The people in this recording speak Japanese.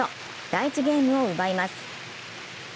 第１ゲ−ムを奪います。